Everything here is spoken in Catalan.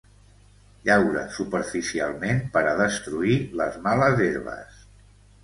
Llaura superficialment per a destruir les males herbes.